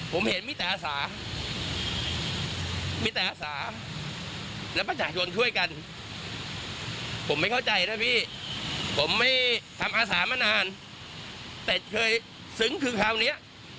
ผมไม่ทำอาสามานานแต่เคยสึงคือคราวนี้